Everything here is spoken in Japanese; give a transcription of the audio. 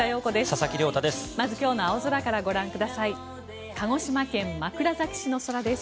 佐々木亮太です。